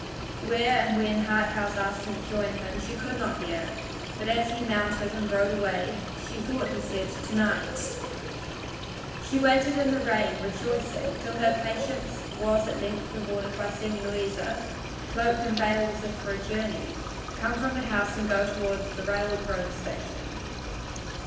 Where and when Harthouse asked her to join him, she could not hear, but as he mounted and rode away she thought he said "To night." She waited in the rain, rejoicing, till her patience was at length rewarded by seeing Louisa, cloaked and veiled as if for a journey, come from the house and go toward the railroad station.